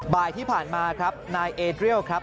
บ่ายที่ผ่านมาครับนายเอเรียลครับ